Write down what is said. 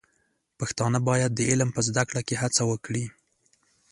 پښتانه بايد د علم په زده کړه کې هڅه وکړي.